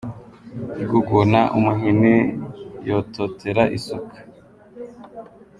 Iguguna umuhini yototera isuka.